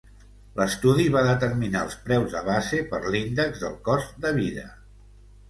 L'estudi va determinar els preus de base per l'índex del cost de vida.